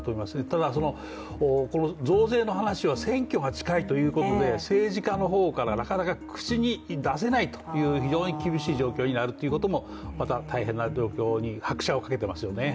ただ、増税の話は選挙が近いということで政治家の方からなかなか口に出せないという非常に厳しい状況になるということもまた大変な状況に拍車をかけてますよね。